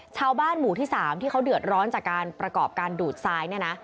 ชาวบ้านหมู่ที่๓ที่เขาเดือดร้อนจากการประกอบการดูดทรายเนี่ยนะ